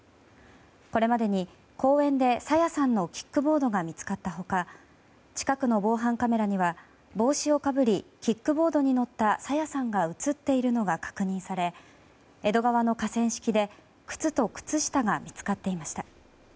これまでに公園で朝芽さんのキックボードが見つかった他近くの防犯カメラには帽子をかぶりキックボードに乗った朝芽さんが映っているのが確認され江戸川の河川敷で靴と靴下が見つかっていました。